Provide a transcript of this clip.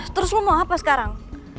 terus lo mau apa sekarang